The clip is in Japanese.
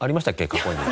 過去に。